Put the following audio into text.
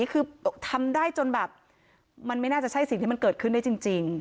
คือทำได้จนแบบมันไม่น่าจะใช่สิ่งที่มันเกิดขึ้นได้จริง